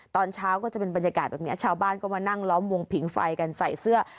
ตอนเช้าก็จะเป็นบรรยากาศแบบนี้ชาวบ้านก็มานั่งล้อมวงผิงไฟกันใส่เสื้อ